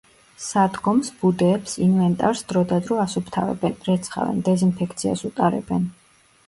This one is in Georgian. სადგომს, ბუდეებს, ინვენტარს დროდადრო ასუფთავებენ, რეცხავენ, დეზინფექციას უტარებენ.